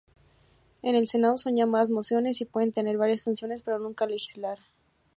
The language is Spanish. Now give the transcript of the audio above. En el Senado son llamadas "mociones" y pueden tener varias funciones, pero nunca legislar.